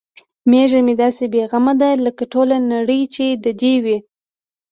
میږه مې داسې بې غمه ده لکه ټوله نړۍ چې د دې وي.